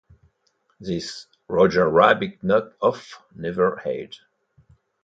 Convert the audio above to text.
This "Roger Rabbit" knock-off never aired.